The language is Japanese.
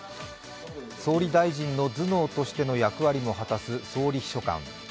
総理大臣の頭脳としての役割も果たす総理秘書官。